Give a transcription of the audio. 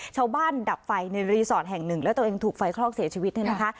ดับไฟในรีสอร์ทแห่งหนึ่งแล้วตัวเองถูกไฟคลอกเสียชีวิตเนี่ยนะคะ